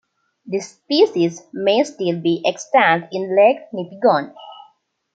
This species may still be extant in Lake Nipigon.